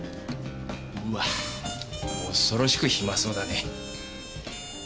うわぁ恐ろしく暇そうだね。